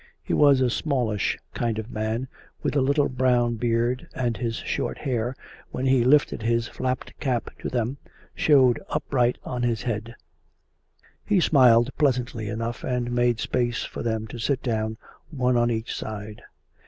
He was a smallish kind of man, with a little brown beard, and his short hair, when he lifted his flapped cap to them, showed upright on his head; he smiled pleasantly enough, and made space for them to sit down, one at each side.